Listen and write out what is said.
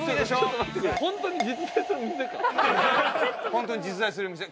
本当に実在する店。